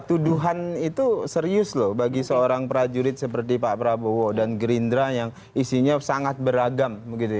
tuduhan itu serius loh bagi seorang prajurit seperti pak prabowo dan gerindra yang isinya sangat beragam